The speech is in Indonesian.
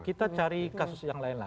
kita cari kasus yang lain lain